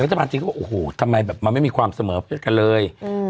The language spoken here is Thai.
วัฒนภาคจีนก็โอ้โหทำไมมันไม่มีความเสมอเกิดกันเลย